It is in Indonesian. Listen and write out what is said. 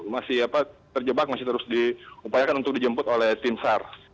masih terjebak masih terus diupayakan untuk dijemput oleh tim sar